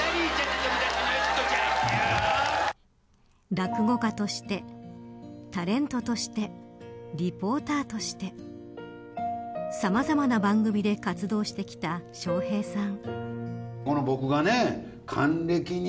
落語家としてタレントとしてリポーターとしてさまざまな番組で活動してきた笑瓶さん。